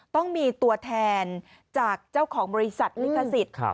ต้องมีตัวแทนจากเจ้าของบริษัทลิขสิทธิ์